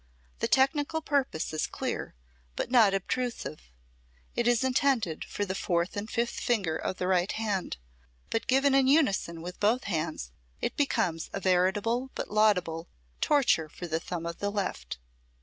The technical purpose is clear, but not obtrusive. It is intended for the fourth and fifth finger of the right hand, but given in unison with both hands it becomes a veritable but laudable torture for the thumb of the left.